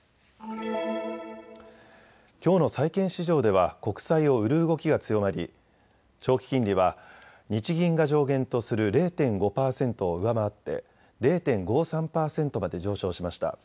きょうの債券市場では国債を売る動きが強まり長期金利は日銀が上限とする０．５％を上回って０．５３％まで上昇しました。